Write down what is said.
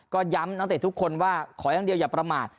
ก็ย้ำนักเตะทุกคนว่าขออย่างเดียวอย่าประมาท